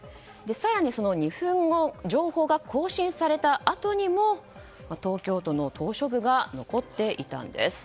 更にその２分後情報が更新されたあとにも東京都の島しょ部が残っていたんです。